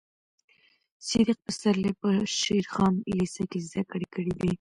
صدیق پسرلي په شېر خان لېسه کې زده کړې کړې وې.